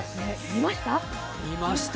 見ました？